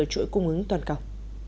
chờ chuỗi cung ứng toàn cầu